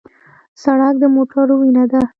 سړک د موټرو وینه ده.